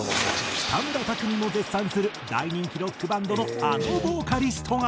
北村匠海も絶賛する大人気ロックバンドのあのボーカリストが。